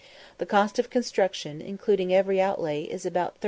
The cost of construction, including every outlay, is about 30_l.